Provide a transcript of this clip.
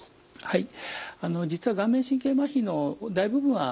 はい。